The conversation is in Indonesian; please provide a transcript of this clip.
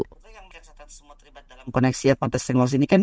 kita yang merasakan semua terlibat dalam koneksi dan konteks teknologi ini kan